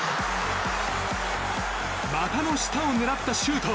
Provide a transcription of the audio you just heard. またの下を狙ったシュート。